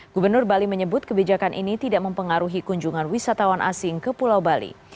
gubernur bali menyebut kebijakan ini tidak mempengaruhi kunjungan wisatawan asing ke pulau bali